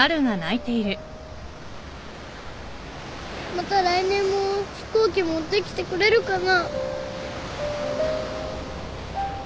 また来年も飛行機持ってきてくれるかな。